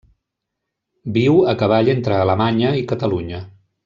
Viu a cavall entre Alemanya i Catalunya.